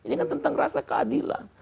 ini kan tentang rasa keadilan